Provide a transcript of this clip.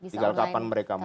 tinggal kapan mereka mau